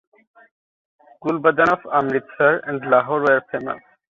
Gulbadan of Amritsar and Lahore were famous.